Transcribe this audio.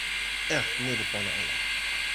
a. ni li pona ala.